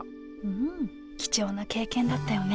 うん貴重な経験だったよね